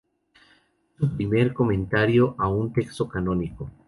Fue su primer comentario a un texto canónico.